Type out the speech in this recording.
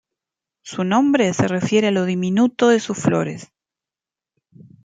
Su nombre se refiere a lo diminuto de sus flores.